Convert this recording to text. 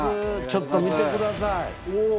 ちょっと見てください。